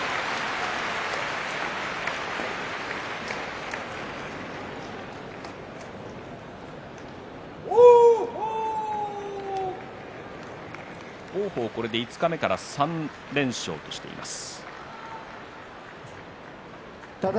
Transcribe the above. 拍手王鵬、これで五日目から３連勝です。